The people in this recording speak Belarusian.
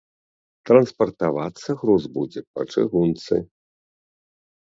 Транспартавацца груз будзе па чыгунцы.